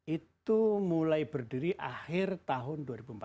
itu mulai berdiri akhir tahun dua ribu empat belas